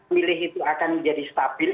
milih itu akan menjadi stabil